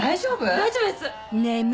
大丈夫です。